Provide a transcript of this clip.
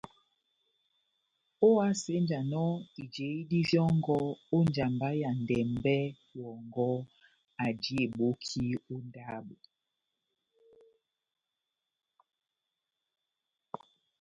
Ohásenjanɔ ijedi vyɔngɔ ó njamba ya ndɛmbɛ wɔngɔ aji eboki ó ndabo.